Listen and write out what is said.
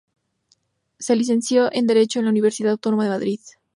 Se licenció en Derecho, en la Universidad Autónoma de Madrid.